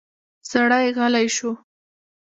سړی غلی شو.